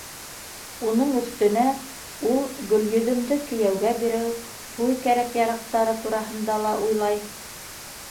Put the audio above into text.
Уның өҫтөнә ул Гөлйөҙөмдө кейәүгә биреү, туй кәрәк-яраҡтары тураһында ла уйлай.